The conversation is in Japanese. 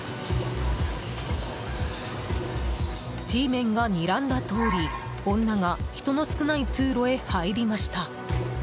Ｇメンがにらんだとおり女が人の少ない通路へ入りました。